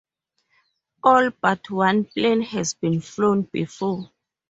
All but one plane has been flown before.